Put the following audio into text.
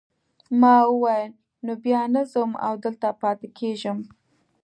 ما وویل نو بیا نه ځم او دلته پاتې کیږم.